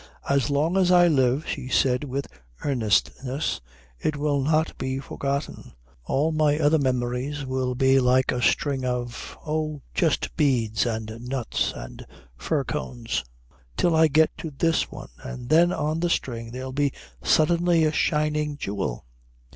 "As long as I live," she said with earnestness, "it will not be forgotten. All my other memories will be like a string of oh, just beads and nuts and fir cones, till I get to this one, and then on the string there'll be suddenly a shining jewel."